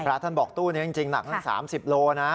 พระท่านบอกตู้นี้จริงหนักฮะสามสิบโลนี้นะคะ